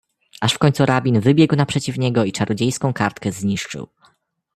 "Aż w końcu rabin wybiegł naprzeciw niego i czarodziejską kartkę zniszczył."